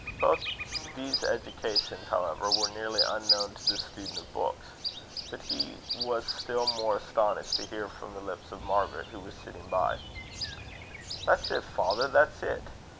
Both these educations, however, were nearly unknown to the student of books. But he was still more astonished to hear from the lips of Margaret, who was sitting by: "That's it, father; that's it!